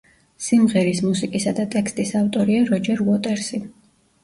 სიმღერის მუსიკისა და ტექსტია ავტორია როჯერ უოტერსი.